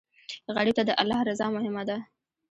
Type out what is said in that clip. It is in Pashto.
غریب ته د الله رضا مهمه ده